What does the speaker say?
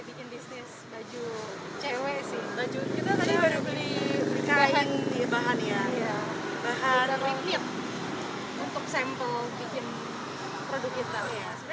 bikin bisnis baju cewek sih baju kita tadi beli kain bahan ya bahan untuk sampel bikin produk kita